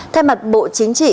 theo mặt bộ chính trị